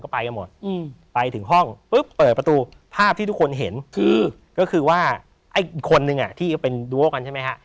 ก็ไปกันหมดไปถึงห้องลึกเปิดอีกประตูภาพที่ทุกคนเห็นคือก็คือว่าคนหนึ่งอ่ะที่เป็นดูโอกัสใช่ไหมค่ะ